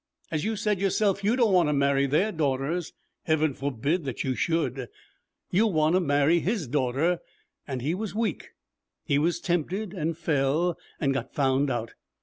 As you said yourself, you don't want to marry their daughters. Heaven forbid that you should! You want to marry his daughter. And he was weak. He was tempted and fell and got found out.